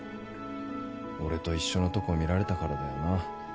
俺と一緒のとこ見られたからだよな。